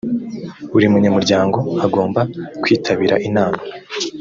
buri munyamuryango agomba kwitabira inama